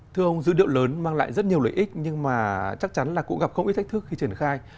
thưa ông dữ liệu lớn mang lại rất nhiều lợi ích nhưng mà chắc chắn là cũng gặp không ít thách thức khi triển khai